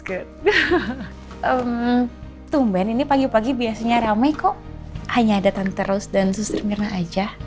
yang tumben ini pagi pagi biasanya ramai kok hanya ada tante rose dan sustri myrna aja